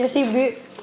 ya si be